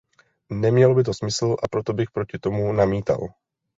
Nemělo by to smysl, a proto bych proti tomu namítal.